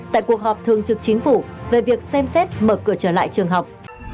tại cuộc họp thường trực chính phủ về việc xem xét mở cửa trở lại trường học